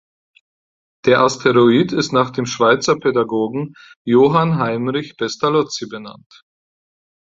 Der Asteroid ist nach dem Schweizer Pädagogen Johann Heinrich Pestalozzi benannt.